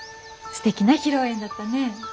すてきな披露宴だったね。